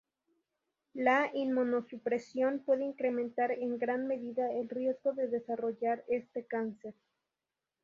La inmunosupresión puede incrementar en gran medida el riesgo de desarrollar este cáncer.